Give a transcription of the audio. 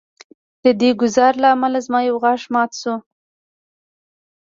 د دې ګزار له امله زما یو غاښ مات شو